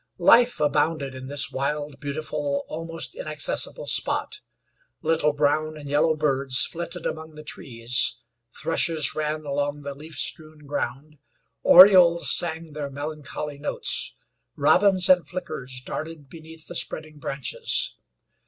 Life abounded in this wild, beautiful, almost inaccessible spot. Little brown and yellow birds flitted among the trees; thrushes ran along the leaf strewn ground; orioles sang their melancholy notes; robins and flickers darted beneath the spreading branches.